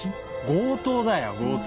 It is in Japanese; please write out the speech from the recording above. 強盗だよ強盗。